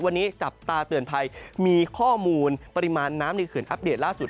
วันนี้จับตาเตือนภัยมีข้อมูลปริมาณน้ำในเขื่อนอัปเดตล่าสุด